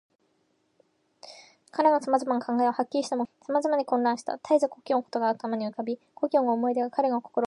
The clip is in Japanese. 彼のさまざまな考えは、はっきりした目標に向ったままでいないで、さまざまに混乱した。たえず故郷のことが頭に浮かび、故郷の思い出が彼の心をみたした。